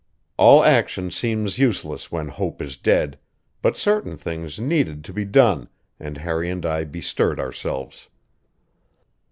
All action seems useless when hope is dead, but certain things needed to be done, and Harry and I bestirred ourselves.